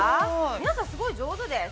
◆皆さんすごい上手です。